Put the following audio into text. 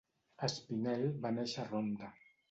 Espinel va néixer a Ronda.